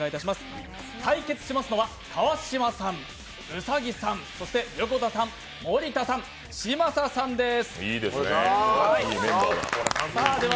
対決しますのは川島さん、兎さん、そして横田さん、森田さん、嶋佐さんです。